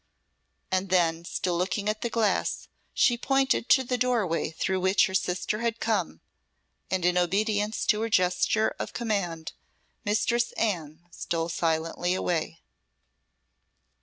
And then, still looking at the glass, she pointed to the doorway through which her sister had come, and in obedience to her gesture of command, Mistress Anne stole silently away.